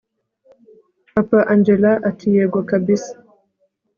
papa angella ati yego kabisa